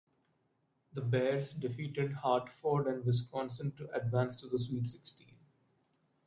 The Bears defeated Hartford and Wisconsin to advance to the Sweet Sixteen.